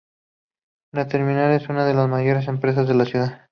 La terminal es una de las mayores empresas de la ciudad.